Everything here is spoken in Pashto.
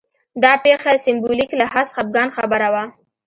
دا پېښه سېمبولیک لحاظ خپګان خبره وه